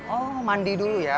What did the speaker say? oh mandi dulu ya